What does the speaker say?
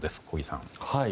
小木さん。